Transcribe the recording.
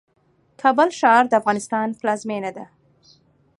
کابل ښار د افغانستان پلازمېنه ده